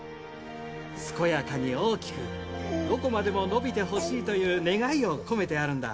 健やかに大きくどこまでも伸びてほしいという願いを込めてあるんだ。